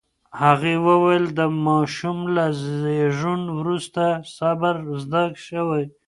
هغې وویل، د ماشوم له زېږون وروسته صبر زده شوی.